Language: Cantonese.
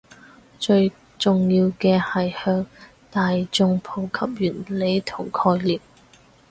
最重要嘅係向大衆普及原理同概念